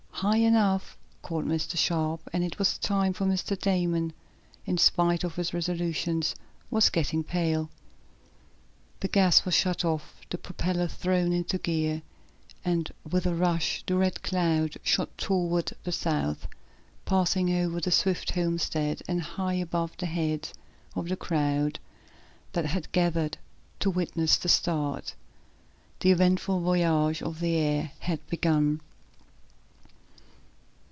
"High enough!" called Mr. Sharp, and it was time, for Mr. Damon, in spite of his resolution, was getting pale. The gas was shut off, the propellers thrown into gear, and, with a rush the Red Cloud shot toward the south, passing over the Swift homestead, and high above the heads of the crowd that had gathered to witness the start. The eventful voyage of the air had begun.